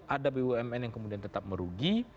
ada bumn yang kemudian tetap merugi